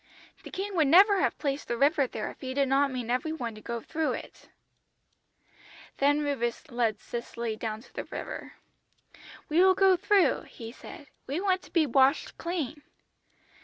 The King would never have placed the river there if He did not mean every one to go through it.' "Then Rufus led Cicely down to the river. "'We will go through,' he said. 'We want to be washed clean.'